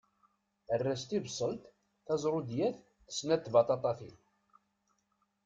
Err-as tibṣelt, tazṛudiyat d snat tbaṭaṭayin.